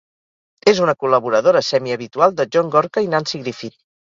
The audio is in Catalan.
És una col·laboradora semihabitual de John Gorka i Nanci Griffith.